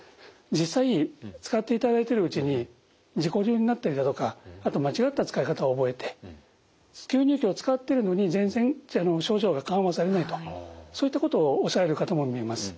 実際使っていただいてるうちに自己流になったりだとかあと間違った使い方を覚えて吸入器を使っているのに全然症状が緩和されないとそういったことをおっしゃられる方も見えます。